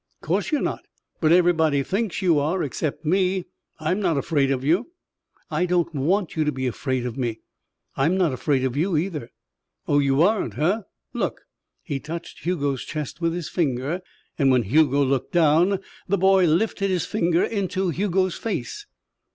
"Course you're not. But everybody thinks you are except me. I'm not afraid of you." "I don't want you to be afraid of me. I'm not afraid of you, either." "Oh, you aren't, huh? Look." He touched Hugo's chest with his finger, and when Hugo looked down, the boy lifted his finger into Hugo's face.